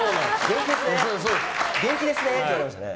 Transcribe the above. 元気ですねって言われましたね。